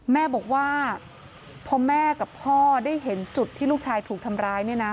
แม่บอกว่าพอแม่กับพ่อได้เห็นจุดที่ลูกชายถูกทำร้ายเนี่ยนะ